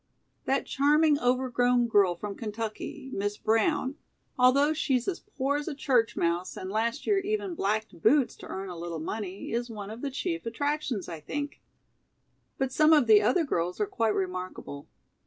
"That charming overgrown girl from Kentucky, Miss Brown, although she's as poor as a church mouse and last year even blacked boots to earn a little money, is one of the chief attractions, I think. But some of the other girls are quite remarkable.